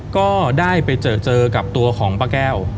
ก็ได้ไปเจอกับตัวของป้าแก้ว